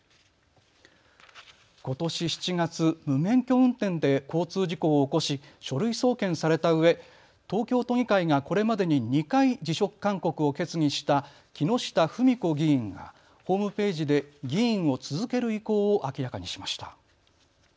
ことし７月、無免許運転で交通事故を起こし、書類送検されたうえ東京都議会がこれまでに２回辞職勧告を決議した木下富美子議員がホームページで議員を続ける意向を明らかにしました。